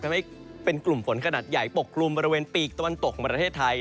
ทำให้เป็นกลุ่มฝนขนาดใหญ่ปกกลุ่มบริเวณปีกตะวันตกของประเทศไทย